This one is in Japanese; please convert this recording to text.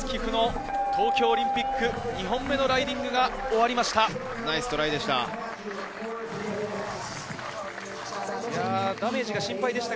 ポサドスキフの東京オリンピック２本目のライディングが終わりました。